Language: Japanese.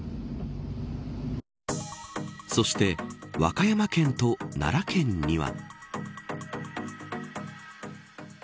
そして和歌山県と奈良県には。